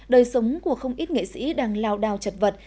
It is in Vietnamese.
đời sống của không ít nghệ sĩ đang lao đao chật vật